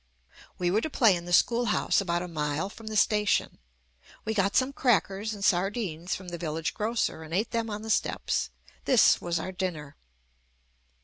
We were to play in the schoolhouse about a mile from the station. We got some crackers and sardines from the vil lage grocer and ate them on the steps. This JUST ME was our dinner.